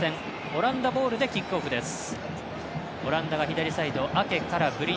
オランダボールでキックオフです。